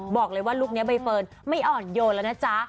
บอกเลยว่าลุคนี้ใบเฟิร์นไม่อ่อนโยนแล้วนะจ๊ะ